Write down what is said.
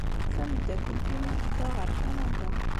Tameddakelt-inu tedda ɣer Kanada.